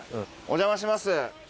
お邪魔します。